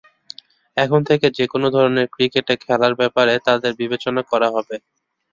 এখন থেকে যেকোনো ধরনের ক্রিকেটে খেলার ব্যাপারে তাঁদের বিবেচনা করা হবে।